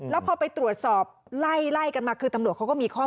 แล้วพอไปตรวจสอบไล่กันมาคือตำรวจเขาก็มีข้อ